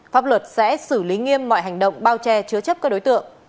pháp luật sẽ xử lý nghiêm mọi hành động bao che chứa chấp các đối tượng